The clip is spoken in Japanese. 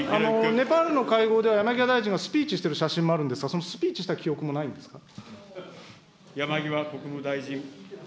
ネパールの会合では、山際大臣がスピーチしてる写真もあるんですが、そのスピーチした記憶もないんですか。